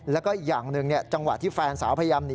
แล้วก็อีกอย่างหนึ่งจังหวะที่แฟนสาวพยายามหนี